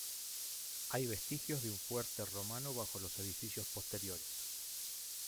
Hay vestigios de un fuerte romano bajo los edificios posteriores.